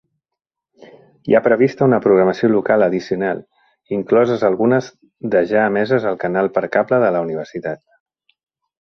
Hi ha prevista una programació local addicional, incloses algunes de ja emeses al canal per cable de la universitat.